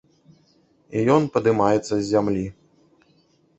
І ён падымаецца з зямлі.